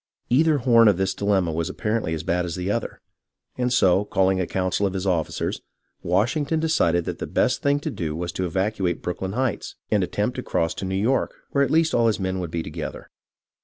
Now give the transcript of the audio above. Either hoTn of this dilemma was apparently as bad as the other, and, so, calling a council of his officers, Washing ton decided that the best thing to do was to evacuate Brooklyn Heights, and attempt to cross to New York, where at least all his men would be together.